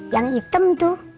yang hitem tuh